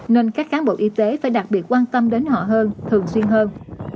nên các cán bộ y tế phải đặc biệt quan tâm đến họ hơn thường xuyên hơn